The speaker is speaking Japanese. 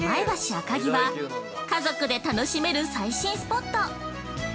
赤城は、家族で楽しめる最新スポット！